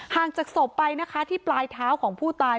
จากศพไปนะคะที่ปลายเท้าของผู้ตาย